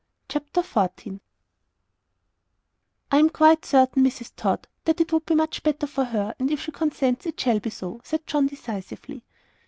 CHAPTER XIV "I am quite certain, Mrs. Tod, that it would be much better for her; and, if she consents, it shall be so," said John, decisively.